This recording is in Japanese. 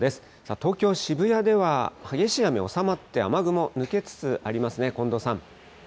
東京・渋谷では激しい雨、収まって、雨雲抜けつつありますね。